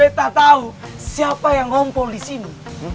betta tahu siapa yang ngompol di sini